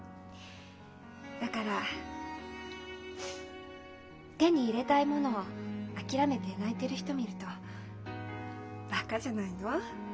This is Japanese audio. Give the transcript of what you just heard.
だから手に入れたいものを諦めて泣いてる人見ると「バッカじゃないの？